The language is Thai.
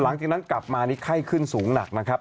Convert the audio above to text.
หลังจากนั้นกลับมานี่ไข้ขึ้นสูงหนักนะครับ